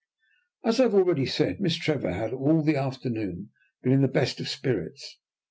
As I have already said, Miss Trevor had all the afternoon been in the best of spirits.